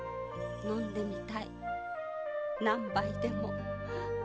飲んでみたい何杯でも。